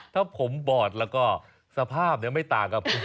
ถ้าผมบอดแล้วก็สภาพไม่ต่างกับคุณ